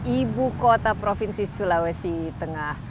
ibu kota provinsi sulawesi tengah